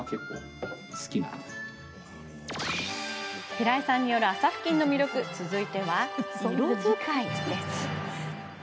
平井さんによる麻ふきんの魅力続いては、色使いです。